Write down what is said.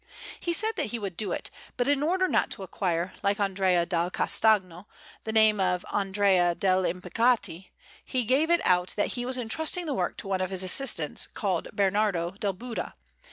He said that he would do it; but in order not to acquire, like Andrea dal Castagno, the name of Andrea degl' Impiccati, he gave it out that he was entrusting the work to one of his assistants, called Bernardo del Buda.